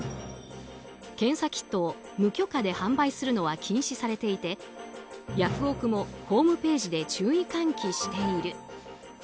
検査キットを無許可で販売するのは禁止されていてヤフオク！もホームページで注意喚起している。